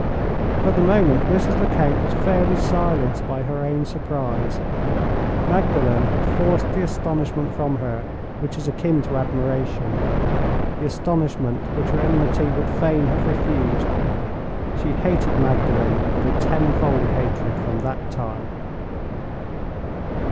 For the moment, Mrs. Lecount was fairly silenced by her own surprise; Magdalen had forced the astonishment from her which is akin to admiration, the astonishment which her enmity would fain have refused. She hated Magdalen with a tenfold hatred from that time.